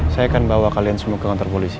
saya akan bawa kalian semua ke kantor polisi